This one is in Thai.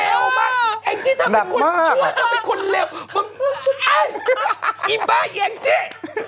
เร็วมากเอ็งจินทำเป็นคนชั่วทำเป็นคนเร็วแบบอ้าวอีบ๊าเอียงจิ